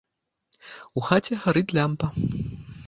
У хаце гарыць лямпа.